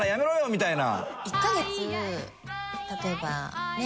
みたいな。